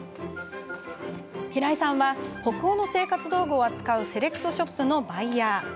平井さんは北欧の生活道具を扱うセレクトショップのバイヤー。